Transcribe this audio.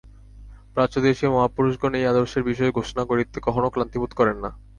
প্রাচ্যদেশীয় মহাপুরুষগণ এই আদর্শের বিষয় ঘোষণা করিতে কখনও ক্লান্তিবোধ করেন না।